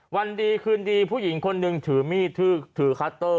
วันดีคืนดีผู้หญิงคนหนึ่งถือมีดถือคัตเตอร์